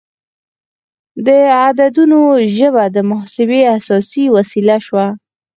د عددونو ژبه د محاسبې اساسي وسیله شوه.